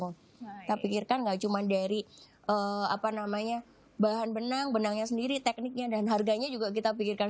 kita pikirkan gak cuma dari bahan benang benangnya sendiri tekniknya dan harganya juga kita pikirkan